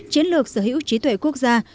chiến lược sở hữu trí tuệ quốc gia